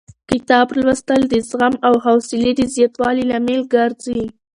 کتاب لوستل د زغم او حوصلې د زیاتوالي لامل ګرځي.